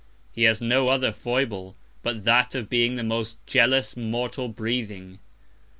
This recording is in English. He has no other Foible, but that of being the most jealous Mortal breathing.